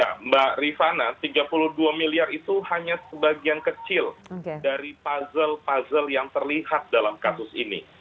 ya mbak rifana tiga puluh dua miliar itu hanya sebagian kecil dari puzzle puzzle yang terlihat dalam kasus ini